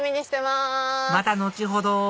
また後ほど！